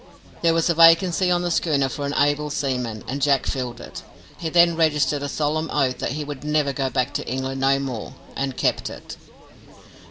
There was a vacancy on the schooner for an able seaman, and Jack filled it. He then registered a solemn oath that he would "never go back to England no more," and kept it.